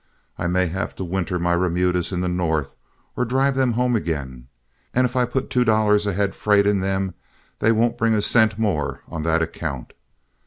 I may have to winter my remudas in the North, or drive them home again, and if I put two dollars a head freight in them, they won't bring a cent more on that account.